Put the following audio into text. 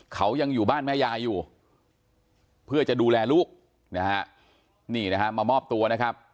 เขายังอยู่บ้านแม่ยายอยู่เพื่อจะดูแลลูกนะฮะนี่นะฮะมามอบตัวนะครับ